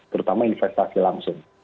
terutama investasi langsung